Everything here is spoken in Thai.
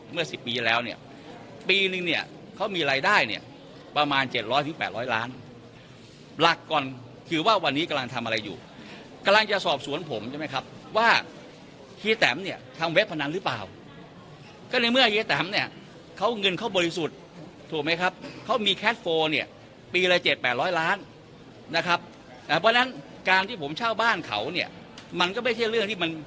เมื่อสิบปีแล้วเนี้ยปีหนึ่งเนี้ยเขามีรายได้เนี้ยประมาณเจ็ดร้อยถึงแปดร้อยล้านหลักก่อนคือว่าวันนี้กำลังทำอะไรอยู่กำลังจะสอบสวนผมใช่ไหมครับว่าเนี้ยทางเว็บพนันหรือเปล่าก็ในเมื่อเนี้ยเนี้ยเขาเงินเขาบริสุทธิ์ถูกไหมครับเขามีเนี้ยปีละเจ็ดแปดร้อยล้านนะครับเพราะฉะนั้นการท